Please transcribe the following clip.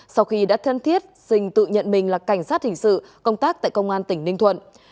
sau khi đã thân thiết sinh tự nhận mình là cảnh sát hình sự công tác tại công an tỉnh ninh thuận